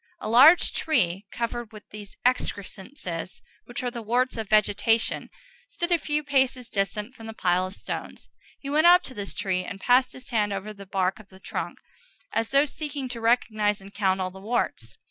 A large tree, covered with those excrescences which are the warts of vegetation, stood a few paces distant from the pile of stones. He went up to this tree and passed his hand over the bark of the trunk, as though seeking to recognize and count all the warts.